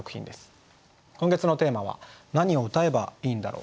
今月のテーマは「何を歌えばいいのだろう」。